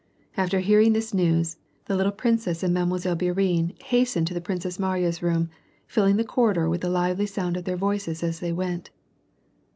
Aftor hearing this news, the little princess and Mile. Bourienne has tened to the Princess Mariya's room, filling the corridor with the lively sound of their voices as they went.